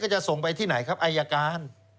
จะส่งไปที่ไหนครับอายการ